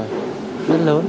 nó rất là lớn